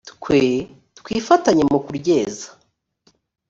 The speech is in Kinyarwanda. twe twifatanye mu kuryeza